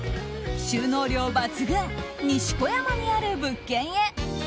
収納量抜群、西小山にある物件へ。